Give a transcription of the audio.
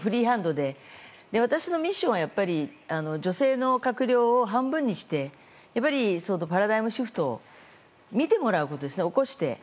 で、私のミッションはやはり女性の閣僚を半分にしてパラダイムシフトを見てもらうことですね、起こして。